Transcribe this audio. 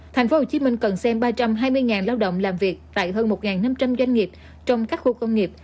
tp hcm cần xem ba trăm hai mươi lao động làm việc tại hơn một năm trăm linh doanh nghiệp trong các khu công nghiệp